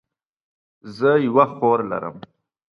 زه یوه خور لرم